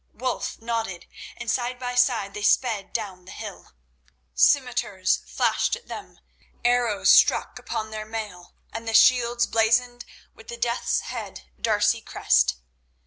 Wulf nodded, and side by side they sped down the hill. Scimitars flashed at them, arrows struck upon their mail and the shields blazoned with the Death's head D'Arcy crest.